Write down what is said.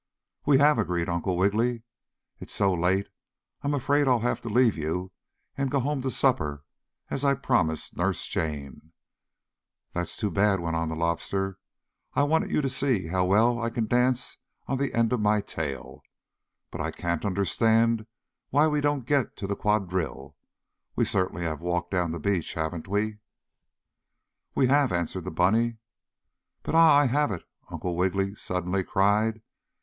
"We have," agreed Uncle Wiggily. "It is so late I'm afraid I'll have to leave you and go home to supper, as I promised Nurse Jane." "That's too bad," went on the Lobster. "I wanted you to see how well I can dance on the end of my tail. But I can't understand why we don't get to the quadrille. We certainly have walked down the beach, haven't we?" "We have," answered the bunny. "But Ah! I have it!" Uncle Wiggily suddenly cried.